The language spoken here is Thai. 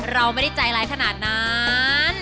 เราไม่ได้ใจร้ายขนาดนั้น